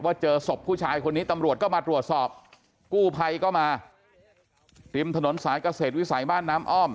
เจอศพผู้ชายคนนี้ตำรวจก็มาตรวจสอบกู้ภัยก็มาริมถนนสายเกษตรวิสัยบ้านน้ำอ้อม